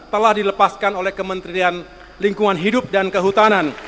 telah dilepaskan oleh kementerian lingkungan hidup dan kehutanan